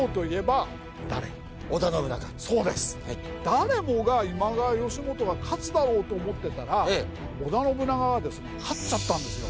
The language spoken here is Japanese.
誰もが今川義元が勝つだろうと思ってたら織田信長が勝っちゃったんですよ。